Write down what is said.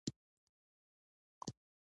ورور د خوشحالۍ لامل دی.